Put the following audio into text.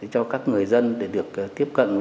cho các người dân để được tiếp cận với các cây rừng